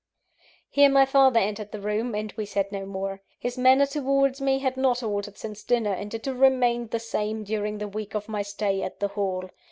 Here my father entered the room, and we said no more. His manner towards me had not altered since dinner; and it remained the same during the week of my stay at the Hall.